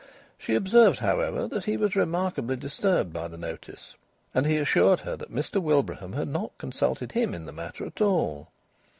She observed, however, that he was remarkably disturbed by the notice, and he assured her that Mr Wilbraham had not consulted him in the matter at all.